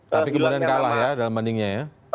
tapi kemudian kalah ya dalam bandingnya ya